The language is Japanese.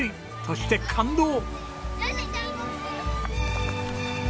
そして感動！